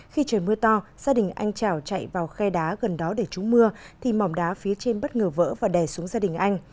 khi trời mưa to gia đình anh trảo chạy vào khe đá gần đó để trúng mưa thì mỏm đá phía trên bất ngờ vỡ và đè xuống gia đình anh